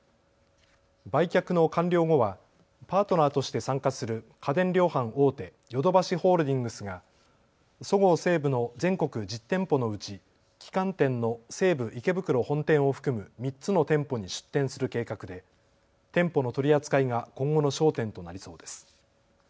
売却の完了後はパートナーとして参加する家電量販大手、ヨドバシホールディングスがそごう・西武の全国１０店舗のうち旗艦店の西武池袋本店を含む３つの店舗に出店する計画で店舗の取り扱いが今後の焦点となりそうです。